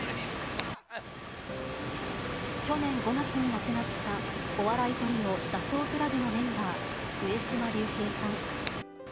去年５月に亡くなったお笑いトリオ、ダチョウ倶楽部のメンバー、上島竜兵さん。